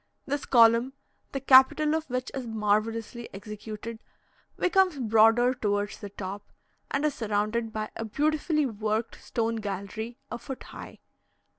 This column, the capital of which is marvellously executed, becomes broader towards the top, and is surrounded by a beautifully worked stone gallery, a foot high.